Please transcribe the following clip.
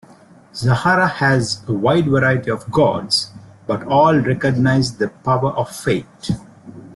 Zakhara has a wide variety of gods, but all recognize the power of Fate.